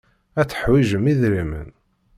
Ad teḥwijem idrimen.